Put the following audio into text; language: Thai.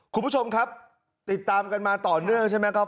คุณผู้ชมครับติดตามกันมาต่อเนื่องใช่ไหมครับ